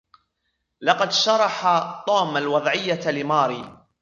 لقد شرح طوم الوضعية لماري